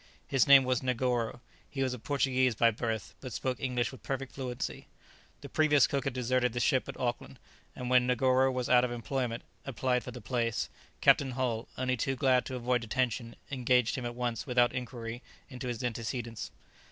His name was Negoro; he was a Portuguese by birth, but spoke English with perfect fluency. The previous cook had deserted the ship at Auckland, and when Negoro, who was out of employment, applied for the place, Captain Hull, only too glad to avoid detention, engaged him at once without inquiry into his antecedents.